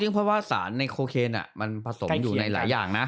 เพราะว่าสารในโคเคนมันผสมอยู่ในหลายอย่างนะ